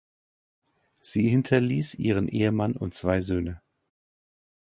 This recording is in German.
Sie hinterließ ihren Ehemann und zwei Söhne.